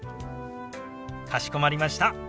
かしこまりました。